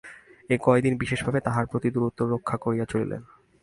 এ কয়দিন বিশেষভাবে তাহার প্রতি দূরত্ব রক্ষা করিয়া চলিলেন।